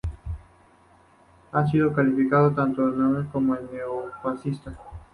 Ha sido calificado tanto de neonazi como de neofascista.